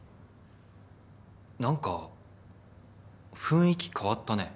なんか雰囲気変わったね。